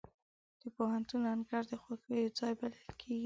د پوهنتون انګړ د خوښیو ځای بلل کېږي.